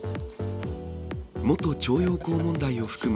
元徴用工問題を含む